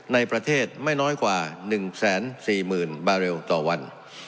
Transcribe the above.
ในประเทศไม่น้อยกว่า๑๔๐๐๐บาเรลต่อวัน